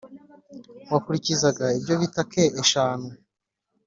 wakurikizaga ibyo bita k eshanu